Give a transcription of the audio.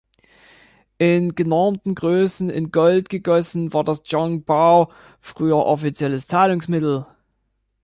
In genormten Größen in Gold gegossen war das Yuan Bao früher offizielles Zahlungsmittel.